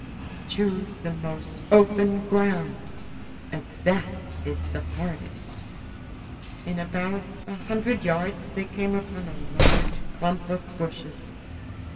Choose the most open ground, as that is the hardest." In about a hundred yards they came upon a large clump of bushes.